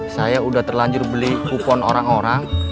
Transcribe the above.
saya sudah terlanjur beli kupon orang orang